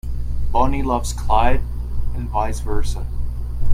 Bonnie loves Clyde and vice versa.